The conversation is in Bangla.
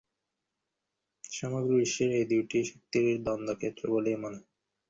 সমগ্র বিশ্ব এই দুইটি শক্তির দ্বন্দ্বক্ষেত্র বলিয়া মনে হয়।